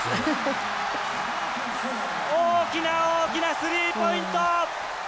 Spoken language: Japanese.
大きな大きなスリーポイント！